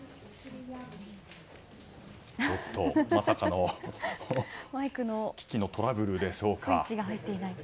まさかの機器のトラブルでしょうか。